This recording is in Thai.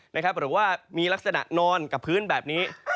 หรือว่ามีลักษณะนอนกับพื้นแบบนี้